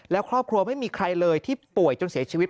แล้วครอบครัวไม่มีใครเลยที่ป่วยจนเสียชีวิต